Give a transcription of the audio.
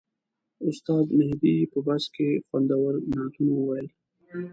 استاد مهدي په بس کې خوندور نعتونه وویل.